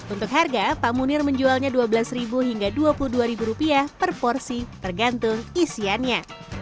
untuk harga pak munir menjualnya dua belas hingga rp dua puluh dua per porsi tergantung isiannya